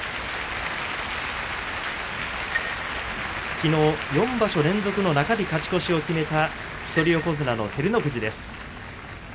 きのう４場所連続の中日勝ち越しを決めた一人横綱の照ノ富士です。